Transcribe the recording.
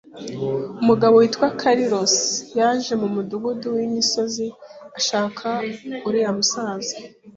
Umugabo witwa Carlos yaje mu mudugudu wimisozi ashaka uriya musaza.